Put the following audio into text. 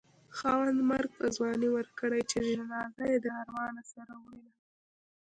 خاونده مرګ په ځوانۍ ورکړې چې جنازه يې د ارمانه سره وړينه